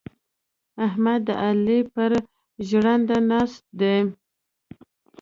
احمد د علي پر ژرنده ناست دی.